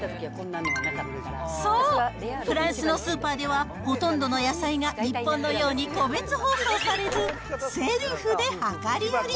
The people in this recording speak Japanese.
そう、フランスのスーパーでは、ほとんどの野菜が日本のように個別包装されず、セルフで量り売り。